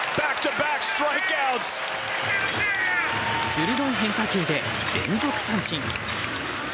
鋭い変化球で連続三振。